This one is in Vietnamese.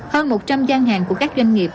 hơn một trăm linh gian hàng của các doanh nghiệp